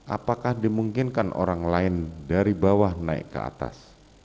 apakah dimungkinkan orang lain dari bawah naik ke atas